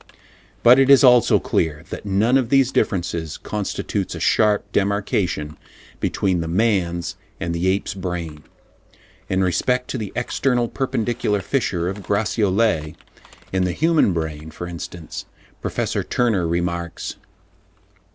But it is also clear, that none of these differences constitutes a sharp demarcation between the man's and the ape's brain. In respect to the external perpendicular fissure of Gratiolet, in the human brain for instance, Professor Turner remarks: (71.